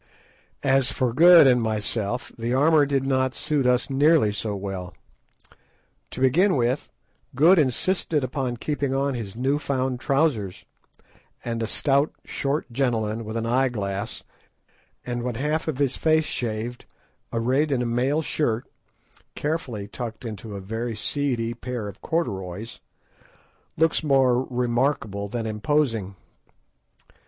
As for Good and myself, the armour did not suit us nearly so well. To begin with, Good insisted upon keeping on his new found trousers, and a stout, short gentleman with an eye glass, and one half of his face shaved, arrayed in a mail shirt, carefully tucked into a very seedy pair of corduroys, looks more remarkable than imposing.